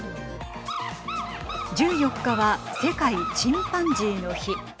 １４日は世界チンパンジーの日。